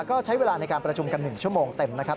ก็ใช้เวลาในการประชุมกัน๑ชั่วโมงเต็มนะครับ